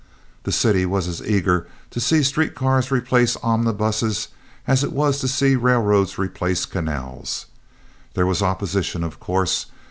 The city was as eager to see street cars replace omnibuses as it was to see railroads replace canals. There was opposition, of course.